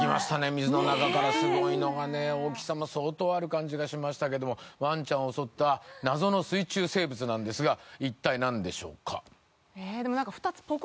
水の中からすごいのがね大きさも相当ある感じがしましたけどもワンちゃんを襲った謎の水中生物なんですが一体何でしょうか？